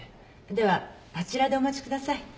ではあちらでお待ちください。